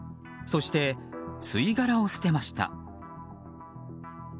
そして、吸い殻を捨てました。